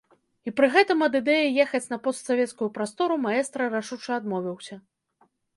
І пры гэтым ад ідэі ехаць на постсавецкую прастору маэстра рашуча адмовіўся.